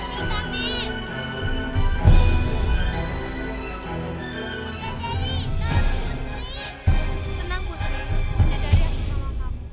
tenang putri wadidari akan menganggap